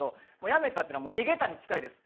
やめたっていうのは逃げたに近いです。